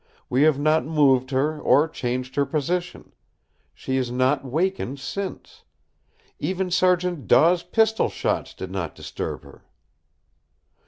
We have not moved her, or changed her position. She has not wakened since. Even Sergeant Daw's pistol shots did not disturb her."